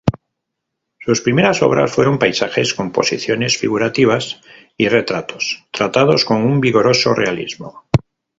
Sus primeras obras fueron paisajes, composiciones figurativas y retratos, tratados con un vigoroso realismo.